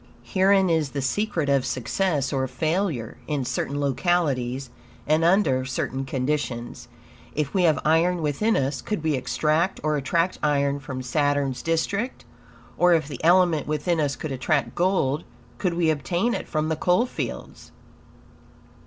Herein is the secret of success or failure, in certain localities, and under certain conditions. If we have iron within us, could we extract or attract iron from Saturn's district? Or, if the element within us could attract gold, could we obtain it from the coal fields?